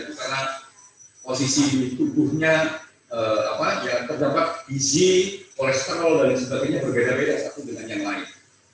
karena posisi tubuhnya terdapat izi kolesterol dan sebagainya berbeda beda satu dengan yang lain